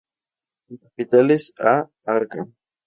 Su capital es A Arca.